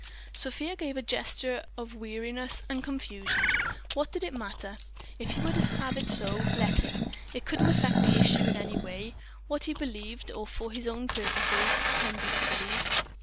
Sofia gave a gesture of weariness and confusion. What did it matter? If he would have it so, let him: it couldn't affect the issue in any way, what he believed, or for his own purposes pretended to believe.